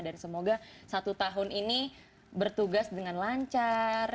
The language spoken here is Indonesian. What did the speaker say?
dan semoga satu tahun ini bertugas dengan lancar